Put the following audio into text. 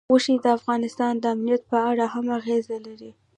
غوښې د افغانستان د امنیت په اړه هم اغېز لري.